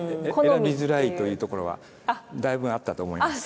選びづらいというところはだいぶあったと思います。